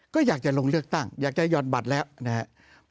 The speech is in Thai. ก็อยากจะลงเลือกตั้งอยากจะหอดบัตรแล้วนะครับ